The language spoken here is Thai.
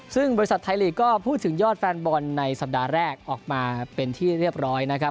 ซึ่งบริษัทไทยลีกก็พูดถึงยอดแฟนบอลในสัปดาห์แรกออกมาเป็นที่เรียบร้อยนะครับ